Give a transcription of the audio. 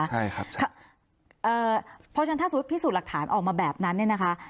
ใช่ครับเอ่อเพราะฉะนั้นถ้าสมมุติพิสูจน์หลักฐานออกมาแบบนั้นเนี่ยนะคะ